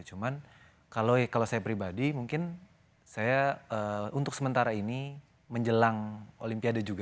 cuman kalau saya pribadi mungkin saya untuk sementara ini menjelang olimpiade juga